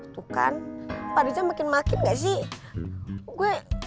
tuh kan padanya makin makin gak sih